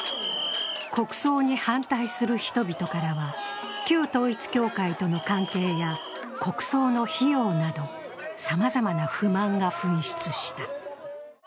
国葬に反対する人々からは旧統一教会との関係や国葬の費用などさまざまな不満が噴出した。